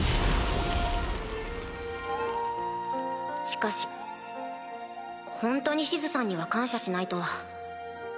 しかしホントにシズさんには感謝しないと。